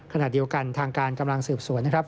ขณะเดียวกันทางการกำลังสืบสวย